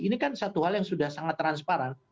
ini kan satu hal yang sudah sangat transparan